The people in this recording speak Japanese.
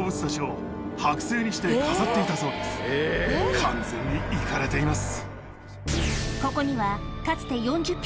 完全にイカレています。